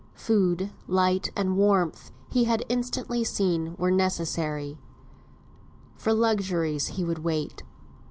Food, light, and warmth, he had instantly seen were necessary; for luxuries he would wait.